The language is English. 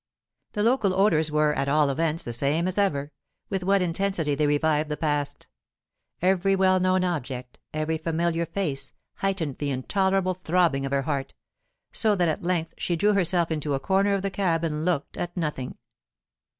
The local odours were, at all events, the same as ever; with what intensity they revived the past! Every well known object, every familiar face, heightened the intolerable throbbing of her heart; so that at length she drew herself into a corner of the cab and looked at nothing.